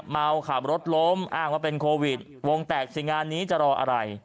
เมาขับรถล้มอ้างว่าเป็นโควิดวงแตกสิงานนี้จะรออะไร